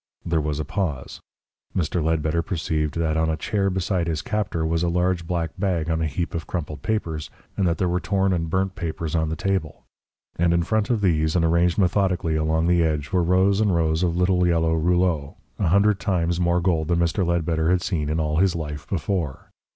There was a pause. Mr. Ledbetter perceived that on a chair beside his captor was a large black bag on a heap of crumpled papers, and that there were torn and burnt papers on the table. And in front of these, and arranged methodically along the edge were rows and rows of little yellow rouleaux a hundred times more gold than Mr. Ledbetter had seen in all his life before.